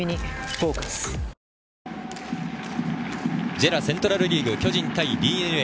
ＪＥＲＡセントラルリーグ巨人対ＤｅＮＡ。